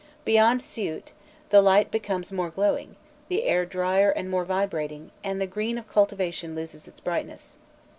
Beyond Siût, the light becomes more glowing, the air drier and more vibrating, and the green of cultivation loses its brightness.